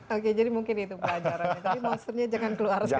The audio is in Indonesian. oke jadi mungkin itu pelajaran tapi monsternya jangan keluar sekarang